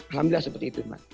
alhamdulillah seperti itu mbak